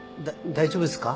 大丈夫ですか？